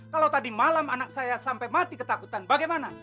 kalau tadi malam anak saya sampai mati ketakutan bagaimana